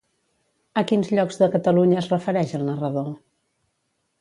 A quins llocs de Catalunya es refereix el narrador?